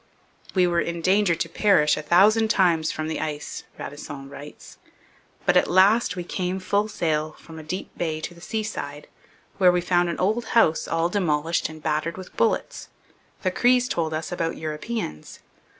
'We were in danger to perish a thousand times from the ice,' Radisson writes, 'but at last we came full sail from a deep bay to the seaside, where we found an old house all demolished and battered with bullets. The Crees told us about Europeans.